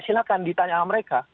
silakan ditanya sama mereka